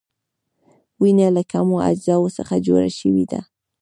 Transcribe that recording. وینه له کومو اجزاوو څخه جوړه شوې ده؟